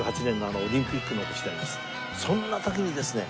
そんな時にですね